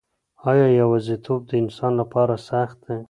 آیا یوازیتوب د انسان لپاره سخت دی؟